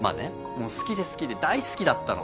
もう好きで好きで大好きだったの。